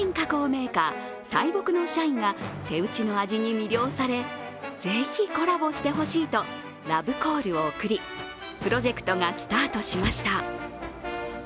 メーカー・サイボクの社員が手打ちの味に魅了されぜひコラボしてほしいとラブコールを送り、プロジェクトがスタートしました。